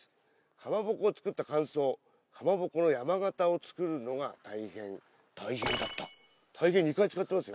「かまぼこを作った感想」「かまぼこの山形を作るのがたいへん」「たいへんだった」「たいへん」２回使ってますよ。